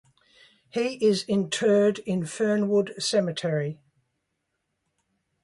He is interred in Fernwood Cemetery.